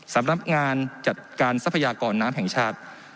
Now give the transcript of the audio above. สำหรับงานจัดการทรัพยากรน้ำแห่งชาติ